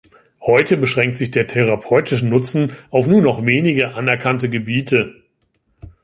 Heute beschränkt sich der therapeutische Nutzen auf nur noch wenige anerkannte Gebiete.